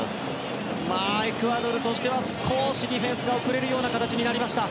エクアドルとしては少しディフェンスが遅れるような形になりました。